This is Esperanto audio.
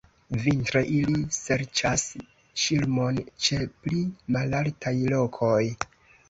Vintre ili serĉas ŝirmon ĉe pli malaltaj lokoj.